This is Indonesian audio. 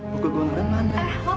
bukit gondren mana